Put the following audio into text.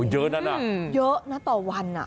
เยอะนั้นเยอะนะต่อวัน